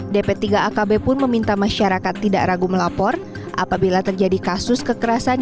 dp tiga akb pun meminta masyarakat tidak ragu melapor apabila terjadi kasus kekerasan